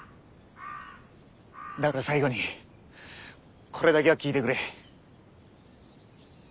だから最後にこれだけは聞いてくれ。